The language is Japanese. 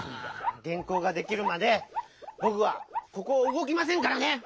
げんこうができるまでぼくはここをうごきませんからね！